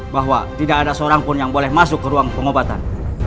bahwa tidak ada seorang pun yang boleh masuk ke ruang pengobatan